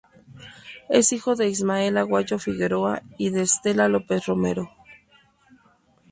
Es hijo de Ismael Aguayo Figueroa y de Estela López Romero.